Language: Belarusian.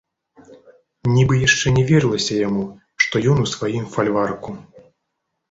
Нібы яшчэ не верылася яму, што ён у сваім фальварку.